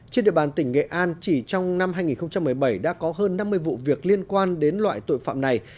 trên địa bàn tỉnh nghệ an chỉ trong năm hai nghìn một mươi bảy đã có hơn năm mươi vụ việc liên quan đến loại tội phạm này